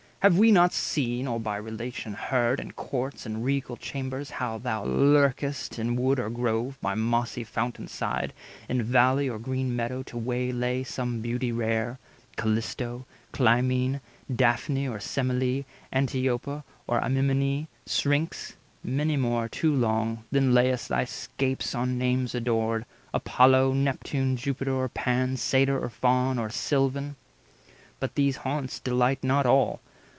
Have we not seen, or by relation heard, In courts and regal chambers how thou lurk'st, In wood or grove, by mossy fountain side, In valley or green meadow, to waylay Some beauty rare, Calisto, Clymene, Daphne, or Semele, Antiopa, Or Amymone, Syrinx, many more Too long—then lay'st thy scapes on names adored, Apollo, Neptune, Jupiter, or Pan, 190 Satyr, or Faun, or Silvan? But these haunts Delight not all.